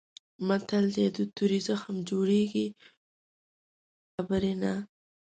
متل دی: د تورې زخم جوړېږي خو د بدې خبرې نه.